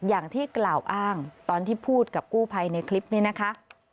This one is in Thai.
อย่างที่กล่าวอ้างตอนที่พูดกับกู้ภัยในคลิปนี้นะคะ